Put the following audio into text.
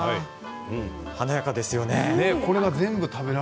華やかですよね。